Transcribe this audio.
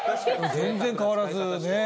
全然変わらずねえ。